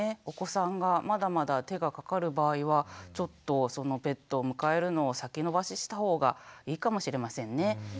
お子さんがまだまだ手がかかる場合はちょっとそのペットを迎えるのを先延ばししたほうがいいかもしれませんね。